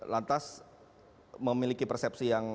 lantas memiliki persepsi yang